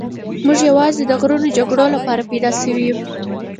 موږ یوازې د غرونو جګړو لپاره پیدا شوي یو.